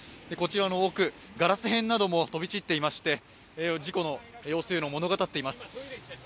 こちらの奥ガラス片なども飛び散っていまして事故の大きさを物語っています。